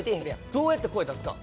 どうやって声出すか？